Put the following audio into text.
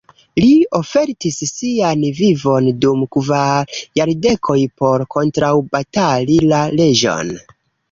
Li ofertis sian vivon dum kvar jardekoj por kontraŭbatali la leĝon.